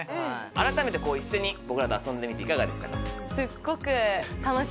あらためて一緒に僕らと遊んでみていかがでしたか？